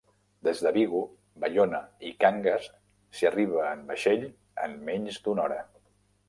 Des de Vigo, Baiona i Cangas s'hi arriba en vaixell en menys d'una hora.